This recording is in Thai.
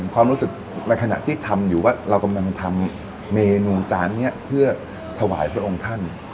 ความรู้สึกในขณะที่ทำอยู่ว่าเรากำลังทำเมนูจานนี้เพื่อถวายพระองค์ท่าน